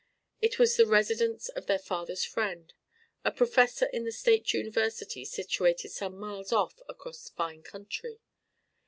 It was the residence of their father's friend, a professor in the State University situated some miles off across fine country.